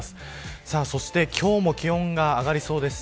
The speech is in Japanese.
そして今日も気温が上がりそうです。